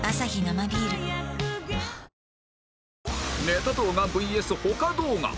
ネタ動画 ＶＳ ほか動画